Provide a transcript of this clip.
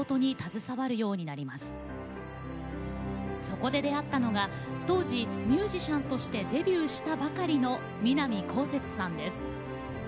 そこで出会ったのが当時ミュージシャンとしてデビューしたばかりの南こうせつさんです。